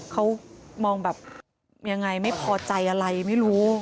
เขามองแบบยังไงไม่พอใจอะไรไม่รู้